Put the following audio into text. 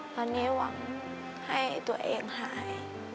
ตอนนี้หวังให้ตัวเองหาย